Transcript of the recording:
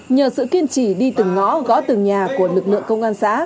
nhờ sự kiên trì đi từng ngõ gõ từng nhà của lực lượng công an xã